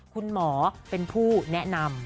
คุณหมอเป็นผู้แนะนำ